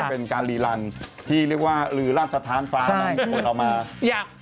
เป็นการรีลันที่เรียกว่าลือราชธานฟ้ามั่งคนเอามาอยาก